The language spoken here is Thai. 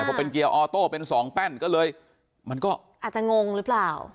พอเป็นเกียร์ออโต้เป็นสองแป้นก็เลยมันก็อาจจะงงหรือเปล่า